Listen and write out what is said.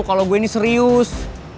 kalau gue ini serius